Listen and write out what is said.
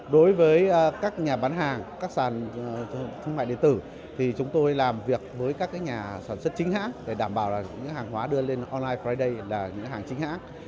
đối với các nhà bán hàng các sàn thương mại điện tử thì chúng tôi làm việc với các nhà sản xuất chính hãng để đảm bảo là những hàng hóa đưa lên online friday là những hàng chính hãng